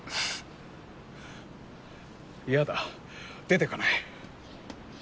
嫌だ出て行かない。